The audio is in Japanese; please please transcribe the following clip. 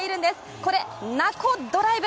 これ、菜子ドライブ！